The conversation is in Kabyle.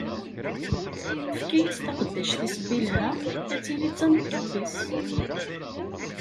Tefka-as taqeddact-is Bilha, ad tili d tameṭṭut-is.